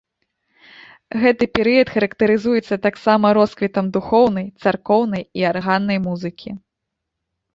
Гэты перыяд характарызуецца таксама росквітам духоўнай, царкоўнай і арганнай музыкі.